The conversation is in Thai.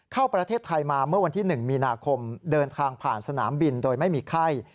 เข้าประเทศไทยมาเมื่อวันที่๑มีนาคมเดินทางผ่านสนามบินโดยไม่มีไข้